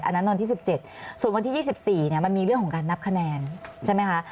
อันนั้นวันที่๑๗ส่วนวันที่๒๔มันมีเรื่องของการนับคะแนนใช่ไหมคะ